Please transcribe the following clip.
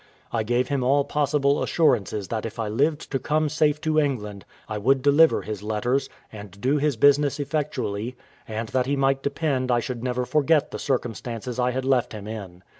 I gave him all possible assurances that if I lived to come safe to England, I would deliver his letters, and do his business effectually; and that he might depend I should never forget the circumstances I had left him in.